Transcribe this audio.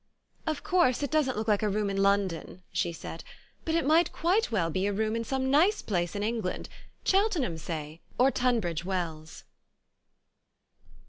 "Of course it doesn't look like a room in Lon don," she said, "but it might quite well be a room in some nice place in England, Cheltenham, say, or Tunbridge Wells."